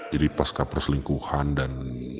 jadi pas ke perselingkuhan dan